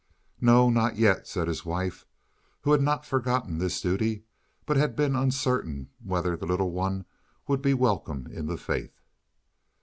"No, not yet," said his wife, who had not forgotten this duty, but had been uncertain whether the little one would be welcome in the faith.